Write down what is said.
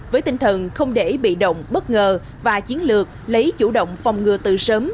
với tinh thần không để bị động bất ngờ và chiến lược lấy chủ động phòng ngừa từ sớm